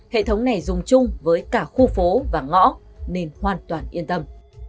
hệ thống này dùng chung với cả khu phố và ngõ nên hoàn toàn yên tâm